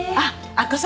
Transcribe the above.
明子さん